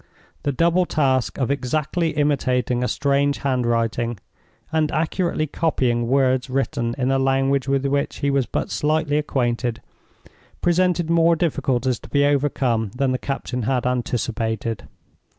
The double task of exactly imitating a strange handwriting, and accurately copying words written in a language with which he was but slightly acquainted, presented more difficulties to be overcome than the captain had anticipated.